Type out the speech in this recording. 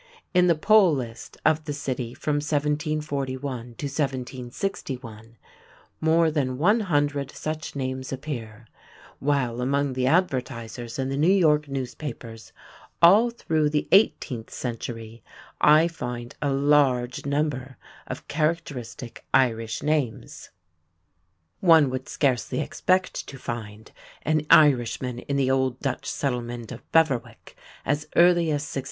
In the "Poll List" of the city from 1741 to 1761, more than one hundred such names appear, while among the advertisers in the New York newspapers all through the eighteenth century I find a large number of characteristic Irish names. One would scarcely expect to find an Irishman in the old Dutch settlement of Beverwyck as early as 1645.